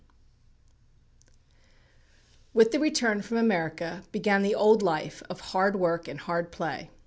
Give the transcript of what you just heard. With the return from America began the old life of hard work and hard play.